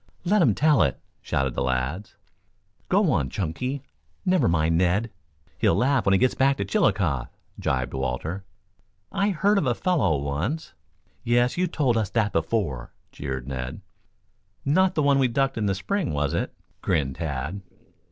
"Let him tell it," shouted the lads. "Go on, Chunky. Never mind Ned. He'll laugh when he gets back to Chillicothe," jibed Walter. "I heard of a fellow once " "Yes; you told us that before," jeered Ned. "Not the one we ducked in the spring, was it?" grinned Tad.